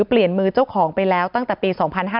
เปลี่ยนมือเจ้าของไปแล้วตั้งแต่ปี๒๕๕๙